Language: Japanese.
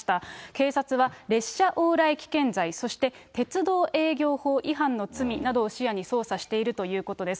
警察は、列車往来危険罪、そして鉄道営業法違反の罪などを視野に捜査しているということです。